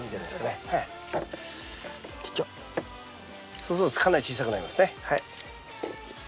そうするとかなり小さくなりますね。